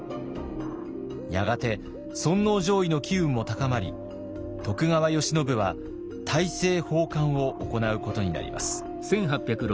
やがて尊王攘夷の機運も高まり徳川慶喜は大政奉還を行うことになります。